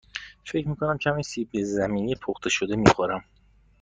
فکر می کنم کمی سیب زمینی پخته شده می خورم.